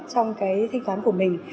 trong cái thanh toán của mình